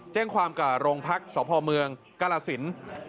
แจ้งความกับโรงพักษ์สพเมืองกรสิน